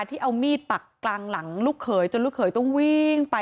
ที่เอามีดปักกลางหลังลูกเขยจนลูกเขยต้องวิ่งไป